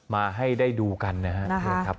มาให้ได้ดูกันนะฮะ